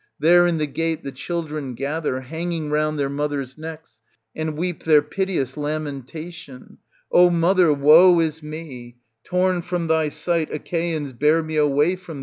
There in the gate the children gather, hanging round their mothers' necks, and weep their piteous lamentation, " O mother, woe is me 1 torn from thy sight Achaeans bear me away from thee * Reading with Nauck cutrxiove^.